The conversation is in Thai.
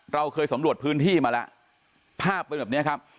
เราเคยสำรวจพื้นที่มาแล้วภาพเป็นแบบนี้ครับ